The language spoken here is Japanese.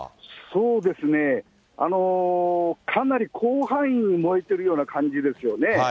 そうですね、かなり広範囲に燃えてるような感じですよね。